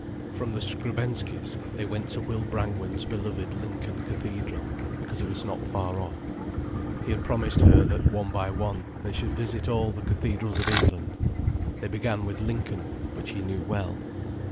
From the Skrebensky's, they went to Will Brangwen's beloved Lincoln Cathedral, because it was not far off. He had promised her, that one by one, they should visit all the cathedrals of England. They began with Lincoln, which he knew well.